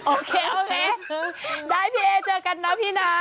โอเคโอเคได้พี่เอเจอกันนะพี่นะ